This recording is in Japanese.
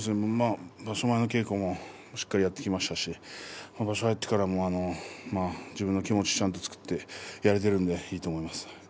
場所前の稽古もしっかりやっていきましたし場所に入ってからも自分の気持ちをちゃんと作ってやれているのでいいと思います。